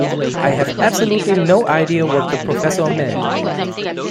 I have absolutely no idea what the professor meant.